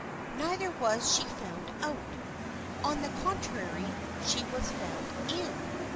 Neither was she found out On the contrary, she was found in.